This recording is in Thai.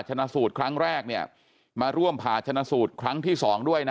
ชนะสูตรครั้งแรกเนี่ยมาร่วมผ่าชนะสูตรครั้งที่๒ด้วยนะ